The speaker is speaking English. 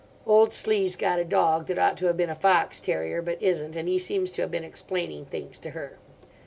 Old Slee's got a dog that ought to have been a fox terrier, but isn't, and he seems to have been explaining things to her.